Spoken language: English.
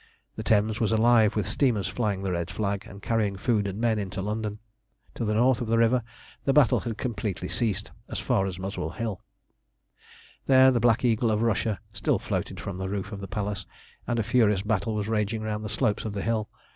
The Thames was alive with steamers flying the red flag, and carrying food and men into London. To the north of the river the battle had completely ceased as far as Muswell Hill. There the Black Eagle of Russia still floated from the roof of the Palace, and a furious battle was raging round the slopes of the hill.